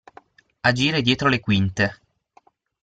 Agire dietro le quinte.